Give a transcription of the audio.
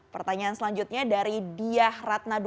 pertanyaan selanjutnya dari diah ratna dua belas